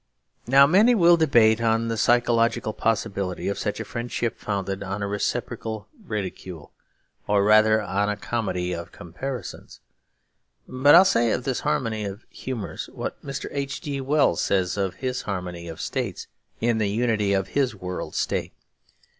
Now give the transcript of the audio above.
Now many will debate on the psychological possibility of such a friendship founded on reciprocal ridicule, or rather on a comedy of comparisons. But I will say of this harmony of humours what Mr. H. G. Wells says of his harmony of states in the unity of his World State.